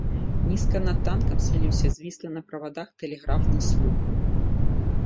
Нізка над танкам схіліўся звіслы на правадах тэлеграфны слуп.